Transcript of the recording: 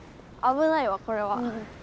危ないわこれは。